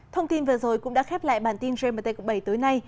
thông tin vừa rồi cũng đã khép lại bản tin gmt cộng bảy tối nay